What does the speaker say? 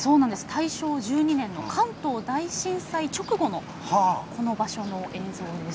大正１２年の関東大震災直後のこの場所の映像です。